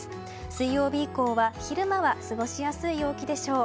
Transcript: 水曜日以降は昼間は過ごしやすい陽気でしょう。